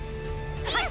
はい！